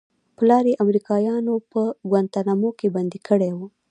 پلار يې امريکايانو په گوانټانامو کښې بندي کړى و.